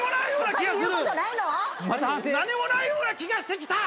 何もないような気がしてきた。